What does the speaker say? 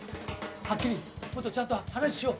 はっきりもっとちゃんと話しよう。